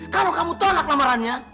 kalau kamu tolak lamarannya